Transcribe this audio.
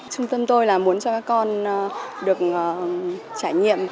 trung tâm tôi là muốn cho các con được trải nghiệm